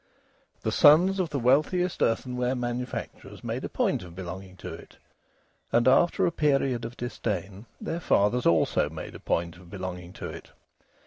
The sons of the wealthiest earthenware manufacturers made a point of belonging to it, and, after a period of disdain, their fathers also made a point of belonging to it.